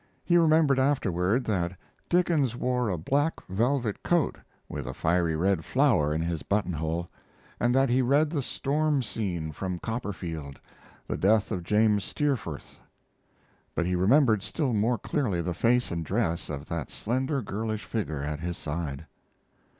He remembered afterward that Dickens wore a black velvet coat with a fiery red flower in his buttonhole, and that he read the storm scene from Copperfield the death of James Steerforth. But he remembered still more clearly the face and dress of that slender girlish figure at his side.